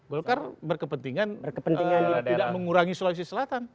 golkar berkepentingan tidak mengurangi sulawesi selatan